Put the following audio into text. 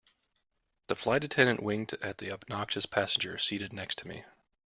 The flight attendant winked at the obnoxious passenger seated next to me.